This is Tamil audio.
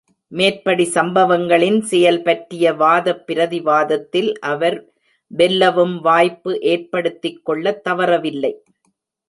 மேற்படி சம்பவங்களின் செயல்பற்றிய வாதப் பிரதிவாதத்தில் அவர் வெல்லவும் வாய்ப்பு ஏற்படுத்திக்கொள்ளத் தவறவில்லை.